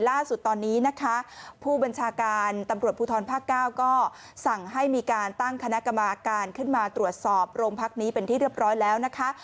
ล่าสุดตอนนี้นะคะผู้บัญชาการตำรวจภูทรภาคเก้าก็สั่งให้มีการตั้งคณะกรรมการขึ้นมาตรวจสอบโรงพักนี้เป็นที่เรียบร้อยแล้วนะคะ